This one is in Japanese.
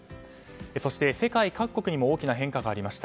そして世界各国にも大きな変化がありました。